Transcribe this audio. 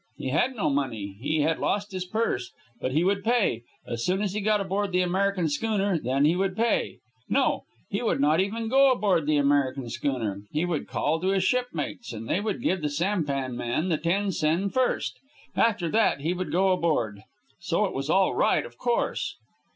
He had no money. He had lost his purse. But he would pay. As soon as he got aboard the American schooner, then he would pay. No; he would not even go aboard the American schooner. He would call to his shipmates, and they would give the sampan man the ten sen first. After that he would go aboard. So it was all right, of course.